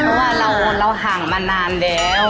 เพราะว่าเราห่างมานานแล้ว